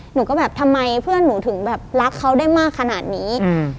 หนูก็แบบทำไมเพื่อนหนูถึงแบบรักเขาได้มากขนาดนี้